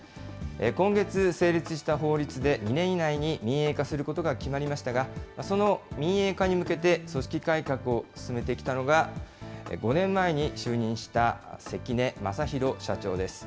今月成立した法律で２年以内に民営化することが決まりましたが、その民営化に向けて組織改革を進めてきたのが、５年前に就任した関根正裕社長です。